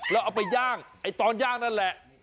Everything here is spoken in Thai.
แล้วเอาไปย่างไอ้ตอนย่างนั่นแหละ